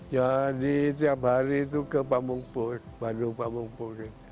jadi tiap hari itu ke pampung po bandung pampung po